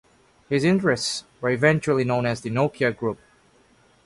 His interests were eventually known as the Nokia group.